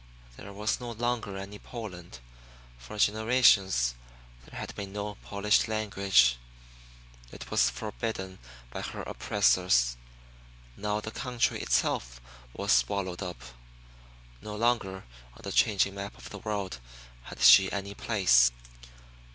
There was no longer any Poland. For generations there had been no Polish language; it was forbidden by her oppressors. Now the country itself was swallowed up. No longer on the changing map of the world had she any place.